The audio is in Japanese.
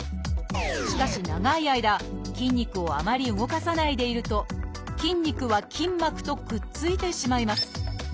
しかし長い間筋肉をあまり動かさないでいると筋肉は筋膜とくっついてしまいます。